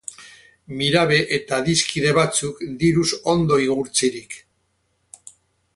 Mirabe eta adiskide batzuk diruz ondo igurtzirik.